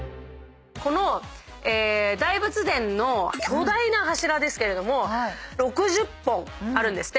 この大仏殿の巨大な柱ですけれども６０本あるんですって。